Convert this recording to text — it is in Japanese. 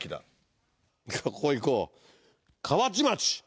ここ行こう河内町。